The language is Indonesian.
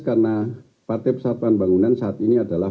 karena partai persatuan bangunan saat ini adalah